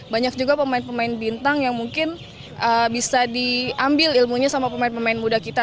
banyak juga pemain pemain bintang yang mungkin bisa diambil ilmunya sama pemain pemain muda kita